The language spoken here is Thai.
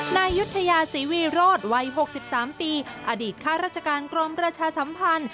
นายยุธยาศรีวีโรธวัย๖๓ปีอดีตข้าราชการกรมประชาสัมพันธ์